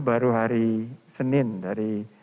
baru hari senin dari